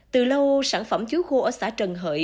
từ lâu sản phẩm chuối khô ở xã trần hợi